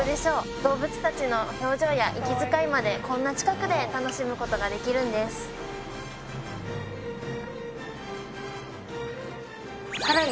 動物達の表情や息遣いまでこんな近くで楽しむことができるんですさらに